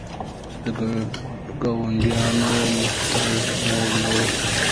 د ګاونډیانو محتاج باید نه اوسو.